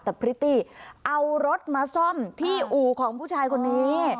แต่พริตตี้เอารถมาซ่อมที่อู่ของผู้ชายคนนี้